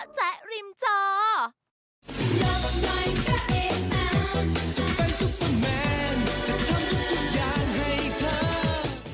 จ๊ะแจ๊ะริมจ่อ